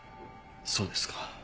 そうですか。